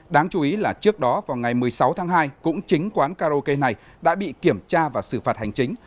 đáng chú ý là trước đó vào ngày một mươi sáu tháng hai cũng chính quán karaoke này đã bị kiểm tra và xử phạt hành chính